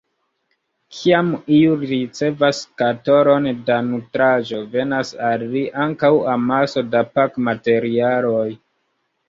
Kiam iu ricevas skatolon da nutraĵo, venas al li ankaŭ amaso da pakmaterialoj.